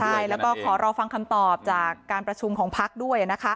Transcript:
ใช่แล้วก็ขอรอฟังคำตอบจากการประชุมของพักด้วย